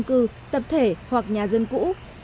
các khu trung cư tập thể hoặc nhà dân cũ